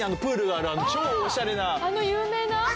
あの有名な？